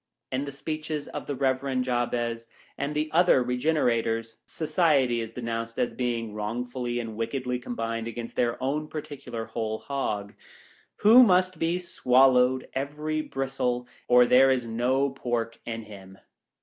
In the speeches of the Beverend Jabez, and the other Begenerators, Society is denounced as being wrongfully and wickedly combined against their own particular Whole Hog — who must be swallowed, every bristle, or there is no Pork in him.